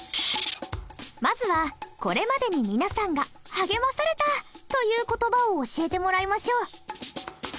まずはこれまでに皆さんが励まされたという言葉を教えてもらいましょう。